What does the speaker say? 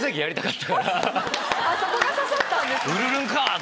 そこが刺さったんですね。